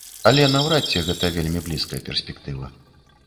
Але наўрад ці гэта вельмі блізкая перспектыва.